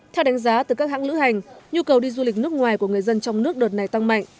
theo đánh giá từ các hãng lữ hành nhu cầu đi du lịch nước ngoài của người dân trong nước đợt này tăng mạnh